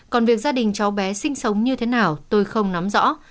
còn việc gia đình cháu bé sinh sống như thế nào tôi không nắm rõ